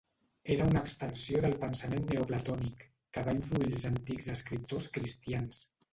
Era una extensió del pensament neoplatònic, que va influir els antics escriptors cristians.